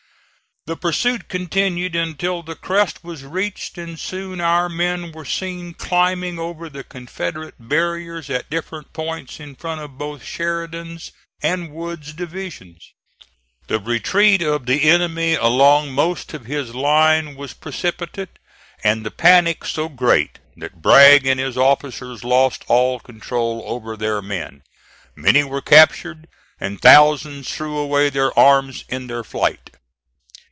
The pursuit continued until the crest was reached, and soon our men were seen climbing over the Confederate barriers at different points in front of both Sheridan's and Wood's divisions. The retreat of the enemy along most of his line was precipitate and the panic so great that Bragg and his officers lost all control over their men. Many were captured, and thousands threw away their arms in their flight.